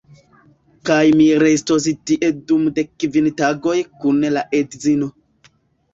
kaj mi restos tie dum de kvin tagoj kun la edzino